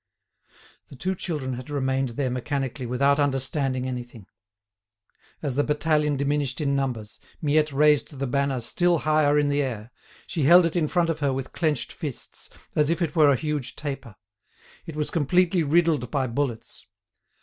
The two children had remained there mechanically without understanding anything. As the battalion diminished in numbers, Miette raised the banner still higher in the air; she held it in front of her with clenched fists as if it were a huge taper. It was completely riddled by bullets.